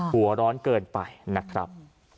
หัวร้อนเกินไปนะครับ